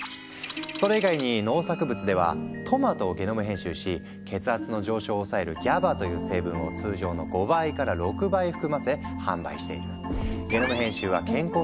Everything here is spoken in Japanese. それ以外に農作物ではトマトをゲノム編集し血圧の上昇を抑えるＧＡＢＡという成分を通常の５倍から６倍含ませ販売している。